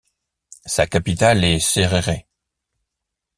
Sa capitale est Serere.